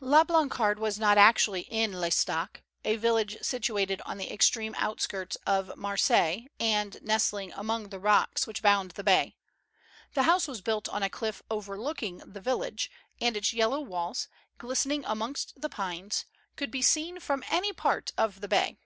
La Blancarde was not actually in L'Estaque, a village situated on the extreme outskirts of Marseilles, and nestling among the rocks which bound the bay. The house was built on a cliff overlooking the village, and its yellow walls, glistening amongst the pines, could be seen from any part of the bay.